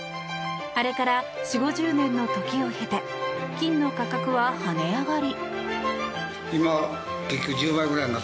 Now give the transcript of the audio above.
あれから４０５０年の時を経て金の価格は跳ね上がり。